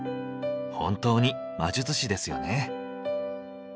本当に魔術師ですよね。